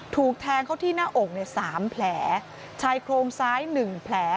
ถูกแทงเขาที่หน้าอกเนี่ย๓แผลชายโครงซ้ายหนึ่งแผล